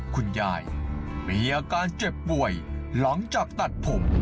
คุณยายมีอาการเจ็บป่วยหลังจากตัดผม